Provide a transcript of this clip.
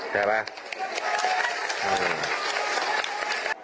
ใช่ไหม